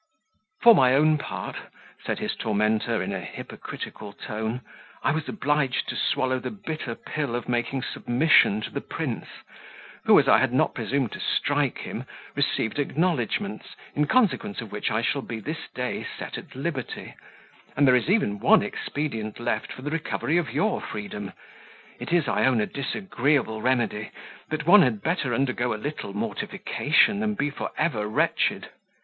"For my own part," said his tormentor, in a hypocritical tone, "I was obliged to swallow the bitter pill of making submission to the prince, who, as I had not presumed to strike him, received acknowledgments, in consequence of which I shall be this day set at liberty; and there is even one expedient left for the recovery of your freedom it is, I own, a disagreeable remedy, but one had better undergo a little mortification than be for ever wretched.